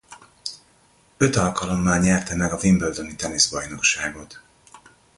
Öt alkalommal nyerte meg a Wimbledoni teniszbajnokságot.